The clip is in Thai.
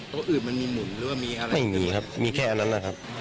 อื่นมันมีหมุนหรือว่ามีอะไรไม่มีครับมีแค่อันนั้นแหละครับ